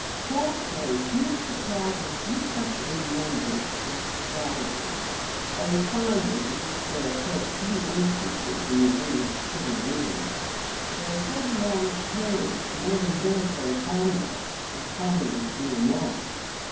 Salisbury here supplied his defect in numbers by stratagem, a refinement of which there occur few instances in the English civil wars, where a headlong courage, more than military conduct, is commonly to be remarked.